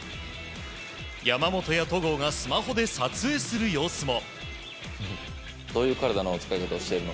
山本や戸郷がスマホで撮影する様子も。